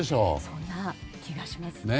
そんな気がします。